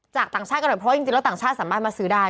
ต่างชาติกันหน่อยเพราะว่าจริงแล้วต่างชาติสามารถมาซื้อได้